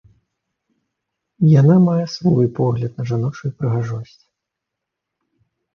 Яна мае свой погляд на жаночую прыгажосць.